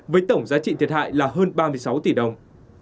với tổng giá trị thiệt hại là hơn ba mươi sáu tỷ đồng